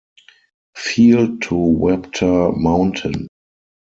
Field to Wapta Mountain.